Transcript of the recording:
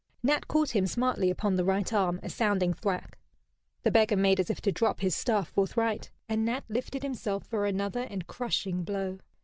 Nat caught him smartly upon the right arm a sounding thwack. The beggar made as if to drop his staff forthright, and Nat lifted himself for another and crushing blow.